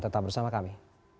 tetap bersama kami